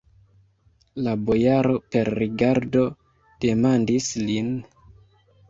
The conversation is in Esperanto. La bojaro per rigardo demandis lin.